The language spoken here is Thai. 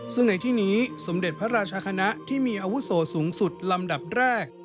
ซึ่งในที่นี้สมเด็จพระราชคณะที่มีอาวุโสสูงสุดลำดับแรก